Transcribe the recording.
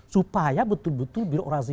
supaya betul betul birok razi